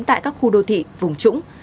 tại các khu đô thị vùng trũng